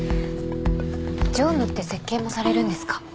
常務って設計もされるんですか？